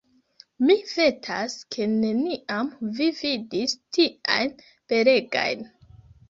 Mi vetas, ke neniam vi vidis tiajn belegajn.